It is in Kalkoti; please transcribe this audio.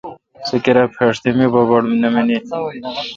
سو کرا پیݭ تہ می بڑبڑ نہ منیل۔